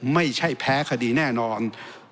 ไม่ใช่แพ้คดีแน่นอน